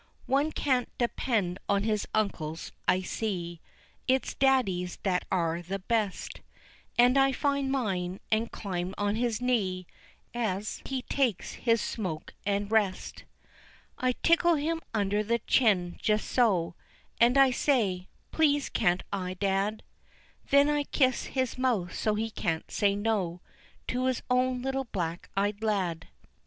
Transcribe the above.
One can't depend on his uncles, I see, It's daddies that are the best, And I find mine and climb on his knee As he takes his smoke and rest. I tickle him under the chin just so And I say, "Please can't I, dad?" Then I kiss his mouth so he can't say no, To his own little black eyed lad.